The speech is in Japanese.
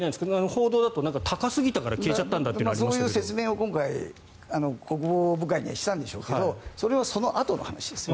報道だと高すぎたから消えちゃったというのがそういう説明を今回国防部会にはしたんでしょうけどそれはそのあとの話です。